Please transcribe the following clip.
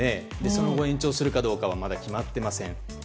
その後延長するかどうかはまだ決まってません。